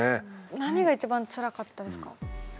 何が一番つらかったですか？